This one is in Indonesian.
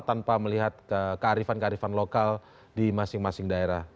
tanpa melihat kearifan kearifan lokal di masing masing daerah